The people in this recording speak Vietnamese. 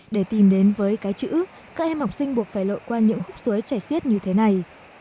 để tìm đến với cái chữ các em học sinh buộc phải lội qua những khúc suối chảy xiết như thế này